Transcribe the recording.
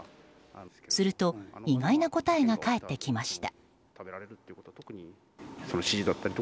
すると、意外な答えが返ってきました。